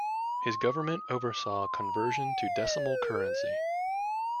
His government oversaw conversion to decimal currency.